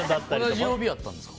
同じ曜日やったんですか？